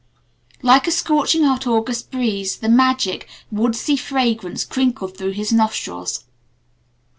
Like a scorching hot August breeze the magic, woodsy fragrance crinkled through his nostrils.